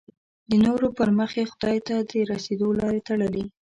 د نورو پر مخ یې خدای ته د رسېدو لاره تړلې.